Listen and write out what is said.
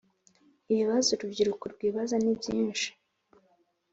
Ibibazo urubyiruko rwibaza ni byinshi